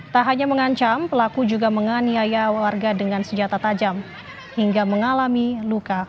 tak hanya mengancam pelaku juga menganiaya warga dengan senjata tajam hingga mengalami luka